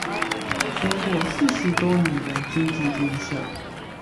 經過四十多年的經濟建設